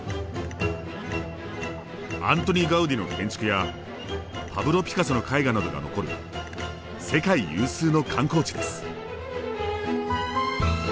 アントニ・ガウディの建築やパブロ・ピカソの絵画などが残る世界有数の観光地です。